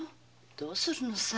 どうするのさ？